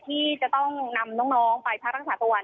ที่จะต้องนำน้องไปพักรักษาตัว